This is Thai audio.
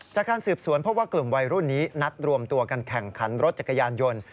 จากการสืบสวนพบว่ากลุ่มวัยรุ่นนี้นัดรวมตัวกันแข่งขันรถจักรยานยนต์